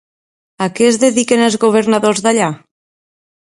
A què es dediquen els governadors d'allà?